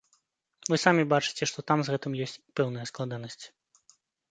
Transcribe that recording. Вы самі бачыце, што там з гэтым ёсць пэўныя складанасці.